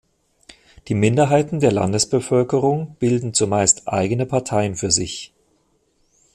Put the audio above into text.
Die Minderheiten der Landesbevölkerung bilden zumeist eigene Parteien für sich.